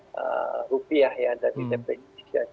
rupiah ya dari dpi